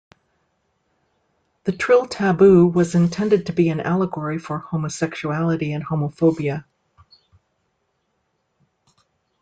The Trill taboo was intended to be an allegory for homosexuality and homophobia.